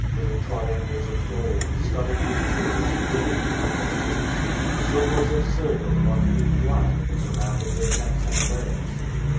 Little triangles of gold, studded with jewels, glittered in their ears. Circles of silver, marked with black, surrounded their necks and legs.